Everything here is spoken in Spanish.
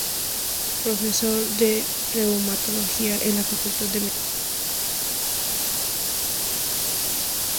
Profesor de Reumatología en la Facultad de Medicina de la Universidad Autónoma de Madrid.